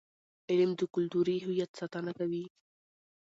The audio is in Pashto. علم د کلتوري هویت ساتنه کوي.